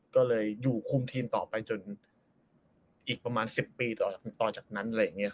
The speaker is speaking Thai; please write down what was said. ก็เลยอยู่คุมทีมต่อไปจนอีกประมาณ๑๐ปีต่อจากนั้น